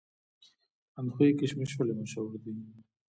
اندخوی کشمش ولې مشهور دي؟